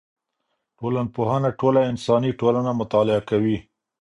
ټولنپوهنه ټوله انساني ټولنه مطالعه کوي.